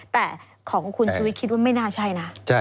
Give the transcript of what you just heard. แต่ของคุณชุวิตคิดว่าไม่น่าใช่นะ